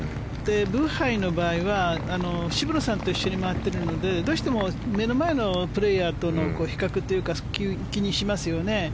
ブハイの場合は渋野さんと一緒に回っているのでどうしても目の前のプレーヤーとの比較というか、気にしますよね。